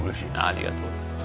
ありがとうございます。